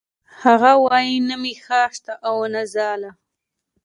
هغه وایی نه مې خاښ شته او نه ځاله